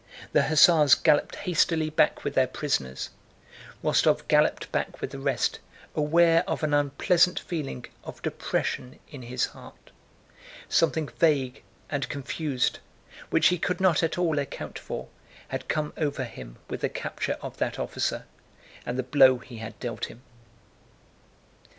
The hussars galloped hastily back with their prisoners. Rostóv galloped back with the rest, aware of an unpleasant feeling of depression in his heart. Something vague and confused, which he could not at all account for, had come over him with the capture of that officer and the blow he had dealt him.